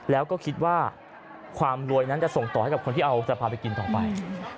แล้วก็คิดว่าความรวยนั้นจะส่งต่อให้กับคนที่เอาจะพาไปกินต่อไป